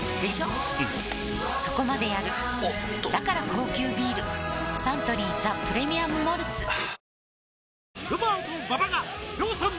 うんそこまでやるおっとだから高級ビールサントリー「ザ・プレミアム・モルツ」はぁー